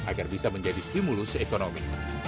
agar bisa menjadi stimulus ekonomi